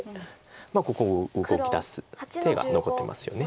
ここ動き出す手が残ってますよね。